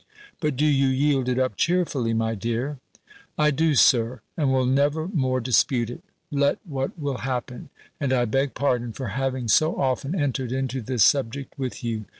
"But do you yield it up cheerfully, my dear?" "I do, Sir; and will never more dispute it, let what will happen. And I beg pardon for having so often entered into this subject with you.